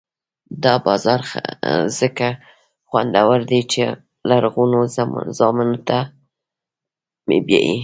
دا بازار ځکه خوندور دی چې لرغونو زمانو ته مې بیايي.